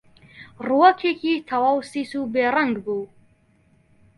ڕووەکێکی تەواو سیس و بێڕەنگ بوو